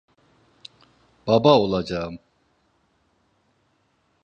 Baba olacağım.